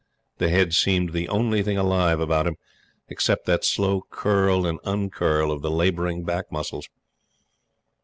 The head seemed the only thing alive about him, except that slow curl and uncurl of the laboring back muscles.